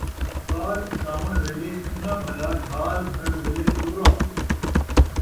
ٻار چاوݨ ویلھے چن٘ڳاں بھلا، گھال بھرݨ ویلھے ݙورا